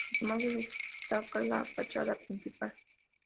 Lo que más destaca es la fachada principal.